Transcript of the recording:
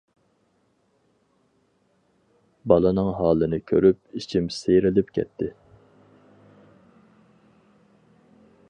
بالىنىڭ ھالىنى كۆرۈپ ئىچىم سىيرىلىپ كەتتى.